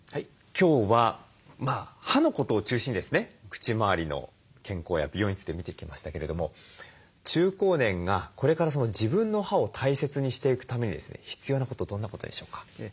口まわりの健康や美容について見てきましたけれども中高年がこれから自分の歯を大切にしていくためにですね必要なことどんなことでしょうか？